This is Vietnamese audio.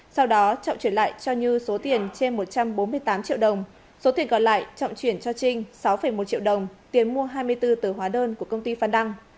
sau đó trọng chuyển lại cho như số tiền trên một trăm bốn mươi tám triệu đồng số tiền còn lại trọng chuyển cho trinh sáu một triệu đồng tiền mua hai mươi bốn tờ hóa đơn của công ty phan đăng